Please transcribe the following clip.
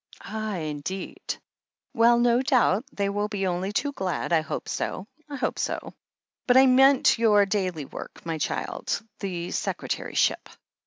"Ah, indeed. Well, no doubt they will be only too glad — I hope so, I hope so. But I meant your daily work, my child — the secretaryship."